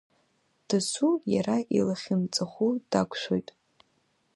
Дасу, иара илахьынҵахәу дақәшәоит.